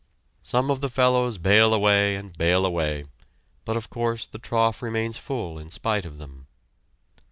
Some of the poor fellows bail away and bail away, but of course the trough remains full in spite of them.